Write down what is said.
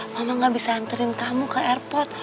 mama gak bisa anterin kamu ke airport